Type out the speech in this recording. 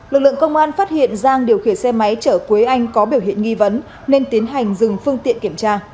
lực lượng công an phát hiện giang điều khiển xe máy chở quế anh có biểu hiện nghi vấn nên tiến hành dừng phương tiện kiểm tra